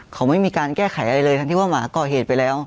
เขาไม่มีการแก้ไขอะไรเลยทั้งที่ว่าหมาก่อเหตุไปแล้ว